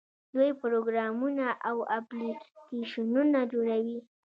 دوی پروګرامونه او اپلیکیشنونه جوړوي.